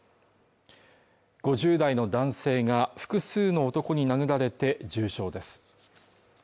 ５０代の男性が複数の男に殴られて重傷です。